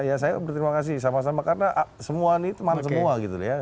ya saya berterima kasih sama sama karena semua ini teman semua gitu ya